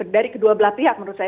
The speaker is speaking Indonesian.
dari kedua belah pihak menurut saya